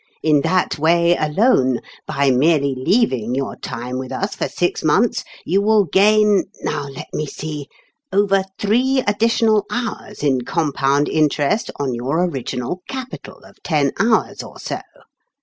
In that way alone, by merely leaving your time with us for six months you will gain now, let me see over three additional hours in compound interest on your original capital of ten hours or so.